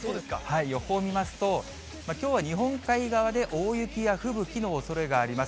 予報を見ますと、きょうは日本海側で大雪や吹雪のおそれがあります。